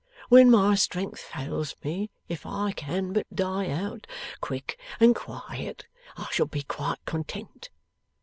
When my strength fails me, if I can but die out quick and quiet, I shall be quite content.